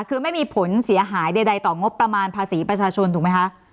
คือไม่มีผลเสียหายใดต่องบประมาณภาษีประชาชนถูกไหมคะ